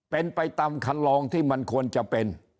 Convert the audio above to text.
เป็นไปตามคันลองที่มันควรจะเป็น